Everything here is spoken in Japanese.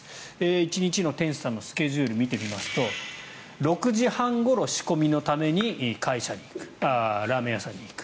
１日の店主さんのスケジュールを見てみますと６時半ごろ仕込みのためにラーメン屋さんに行く。